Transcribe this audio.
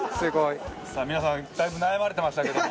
さあ皆さんだいぶ悩まれてましたけども。